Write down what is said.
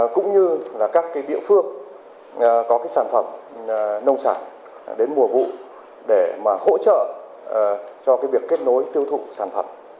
cũng như các địa phương có sản phẩm nông sản đến mùa vụ để hỗ trợ cho việc kết nối tiêu thụ sản phẩm